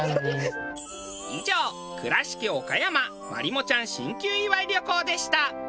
以上倉敷・岡山まりもちゃん進級祝い旅行でした。